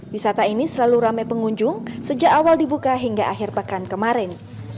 wisata ini selalu ramai pengunjung sejak awal dibuka hingga akhir pekan kemarin